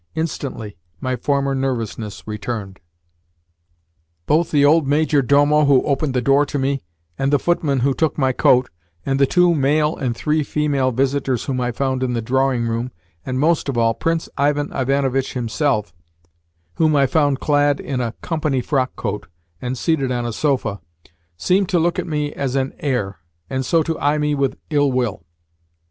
Instantly, my former nervousness returned. Both the old major domo who opened the door to me, and the footman who took my coat, and the two male and three female visitors whom I found in the drawing room, and, most of all, Prince Ivan Ivanovitch himself (whom I found clad in a "company" frockcoat and seated on a sofa) seemed to look at me as at an HEIR, and so to eye me with ill will.